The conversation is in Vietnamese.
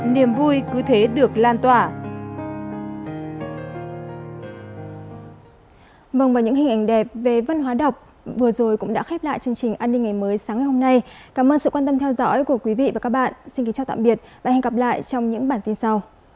niềm vui cứ thế được lan tỏa